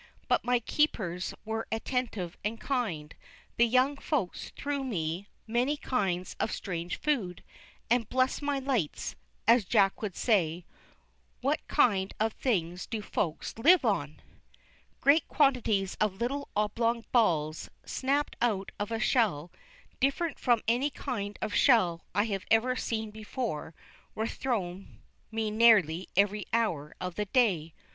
But my keepers were attentive and kind, the young Folks threw me many kinds of strange food, and "Bless my lights!" as Jack would say, what kind of things do Folks live on! Great quantities of little oblong balls, snapped out of a shell, different from any kind of shell I had ever seen before, were thrown me nearly every hour of the day.